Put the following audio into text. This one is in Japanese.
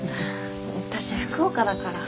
私福岡だから。